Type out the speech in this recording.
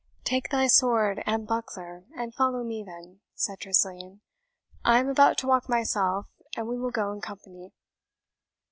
"Take thy sword and buckler, and follow me, then," said Tressilian; "I am about to walk myself, and we will go in company."